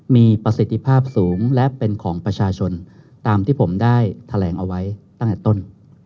มีประสิทธิภาพสูงและเป็นของประชาชนตามที่ผมได้แถลงเอาไว้ตั้งแต่ต้น